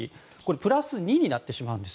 プラス２になってしまうんです。